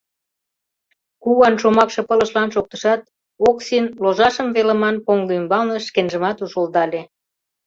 Куган шомакше пылышлан шоктышат, Оксин ложашым велыман поҥго ӱмбалне шкенжымат ужылдале.